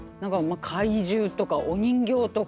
怪獣とかお人形とか？